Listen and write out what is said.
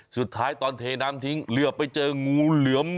สุดท้ายตอนเทน้ำทิ้งเหลือไปเจองูเหลือม